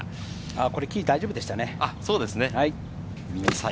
これは木、大丈夫でしたね。